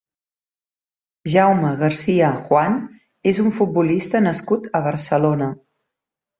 Jaume Garcia Juan és un futbolista nascut a Barcelona.